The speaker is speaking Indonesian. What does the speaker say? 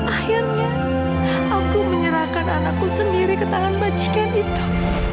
akhirnya aku menyerahkan anakku sendiri ke tangan bachen itu